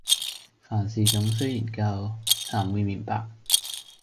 凡事總須研究，纔會明白。